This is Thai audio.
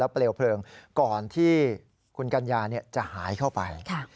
เปลวเพลิงก่อนที่คุณกัญญาจะหายเข้าไป